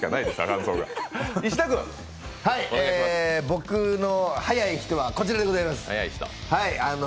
僕のはやい人はこちらでございます。